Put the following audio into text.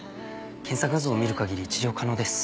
検査画像を見るかぎり治療可能です。